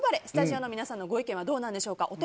スタジオの皆さんのご意見はどうなんでしょうか。